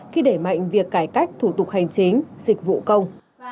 khi đẩy mạnh việc cải cách thủ tục hành chính dịch vụ công